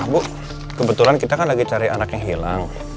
bu kebetulan kita kan lagi cari anak yang hilang